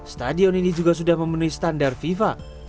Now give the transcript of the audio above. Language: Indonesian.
stadion ini juga sudah memenuhi standar fifa